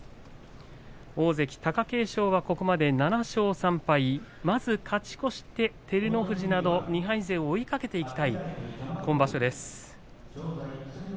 貴景勝は７勝３敗まず勝ち越して照ノ富士など２敗勢を追いかけたい今場所です。